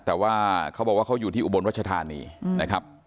แต่ว่าเขาบอกว่าเขาอยู่ที่อุบลรัชธานีนะครับ